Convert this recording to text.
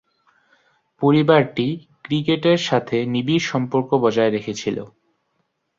পরিবারটি ক্রিকেটের সাথে নিবিড় সম্পর্ক বজায় রেখেছিল।